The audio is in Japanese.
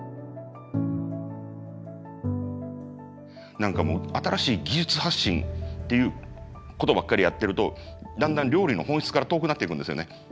何かもう新しい技術発信っていうことばっかりやってるとだんだん料理の本質から遠くなっていくんですよね。